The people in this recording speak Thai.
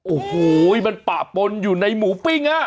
โอ้โหมันปะปนอยู่ในหมูปิ้ง